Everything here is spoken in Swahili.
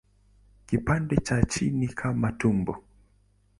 Kipande cha chini ni kama tumbo.